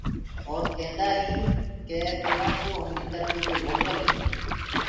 اور ڪيندآ هينٚ ڪي تمآڪوُ همري ترڦيٚ دي موڪل هو۔